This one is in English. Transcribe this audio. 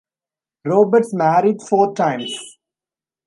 Roberts married four times.